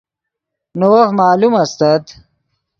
نے وف معلوم استت